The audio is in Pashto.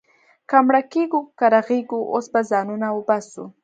که مړه کېږو، که رغېږو، اوس به ځانونه وباسو.